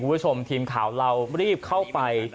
กรุกวิทย์ชมทีมข่าวเรารีบเข้าไป